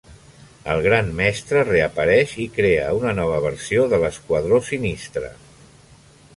El Gran mestre reapareix i crea una nova versió de l'esquadró Sinistre.